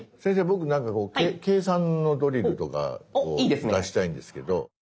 僕なんかこう計算のドリルとかを出したいんですけど。